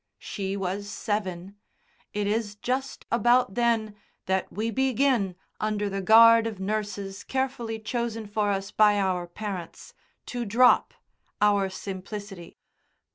She was seven; it is just about then that we begin, under the guard of nurses carefully chosen for us by our parents, to drop our simplicity.